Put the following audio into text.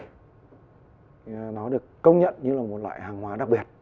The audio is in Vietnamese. có thể sau này nó được công nhận như là một loại hàng hóa đặc biệt